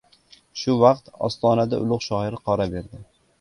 Shu vaqt, ostonada ulug‘ shoir qora berdi.